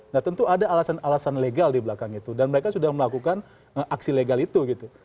nah tentu ada alasan alasan legal di belakang itu dan mereka sudah melakukan aksi legal itu gitu